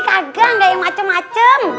kagak nggak yang macem macem